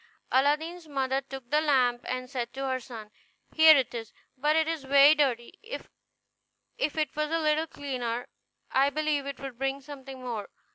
Aladdin's mother took the lamp, and said to her son, "Here it is, but it is very dirty; if it was a little cleaner I believe it would bring something more."